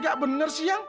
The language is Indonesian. tidak bener sih yang